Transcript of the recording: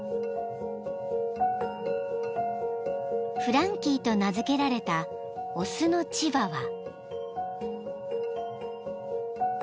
［フランキーと名付けられた雄のチワワ］